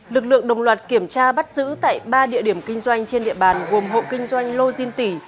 lực lượng đồng loạt kiểm tra bắt giữ tại ba địa điểm kinh doanh trên địa bàn gồm hộ kinh doanh lô diên tỉ